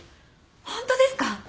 ホントですか？